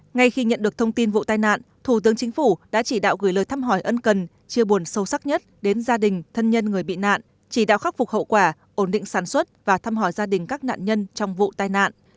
ngay khi nhận được thông tin vụ tai nạn thủ tướng chính phủ đã chỉ đạo gửi lời thăm hỏi ân cần chia buồn sâu sắc nhất đến gia đình thân nhân người bị nạn chỉ đạo khắc phục hậu quả ổn định sản xuất và thăm hỏi gia đình các nạn nhân trong vụ tai nạn